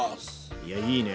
いやいいね。